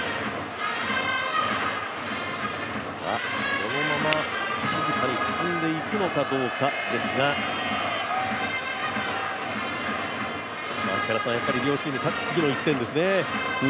このまま静かに進んでいくのかどうかですがやっぱり両チーム、次の１点ですね。